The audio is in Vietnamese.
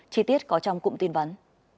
chi tiết có trong cụm tin vấn